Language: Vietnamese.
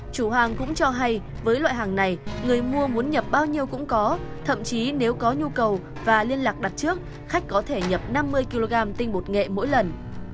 chủ hàng cũng cho hay với loại hàng này người mua muốn nhập bao nhiêu cũng có thậm chí nếu có nhu cầu và liên lạc đặt trước khách có thể nhập năm mươi kg tinh bột nghệ mỗi lần